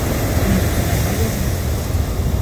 نیمکره های مخ